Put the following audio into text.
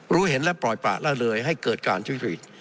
รู้เห็นและปล่อยปลากละเลยให้เกิดการจุดฤทธิ์